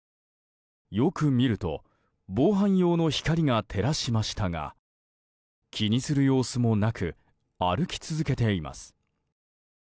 よく見ると、防犯用の光が照らしましたが気にする様子もなく歩き続けています。